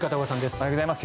おはようございます。